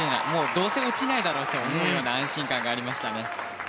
どうせ落ちないだろうなという安心感がありましたね。